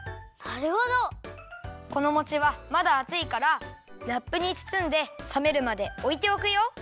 このもちはまだあついからラップにつつんでさめるまでおいておくよ。